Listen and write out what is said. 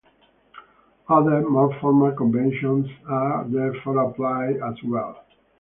Other, more formal conventions are therefore applied as well.